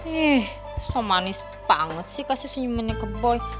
ih so manis banget sih kasih senyuman nya ke boy